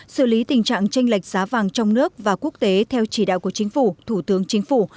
xử lý tình trạng tranh lệch giá vàng trong nước và quốc tế theo chỉ đạo của chính phủ thủ tướng chính phủ